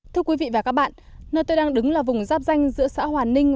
thưa quý vị và các bạn nơi tôi đang đứng là vùng giáp danh giữa xã hòa ninh